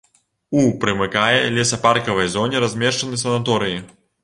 У прымыкае лесапаркавай зоне размешчаны санаторыі.